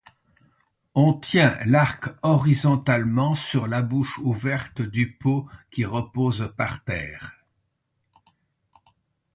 On tient l'arc horizontalement sur la bouche ouverte du pot qui repose par terre.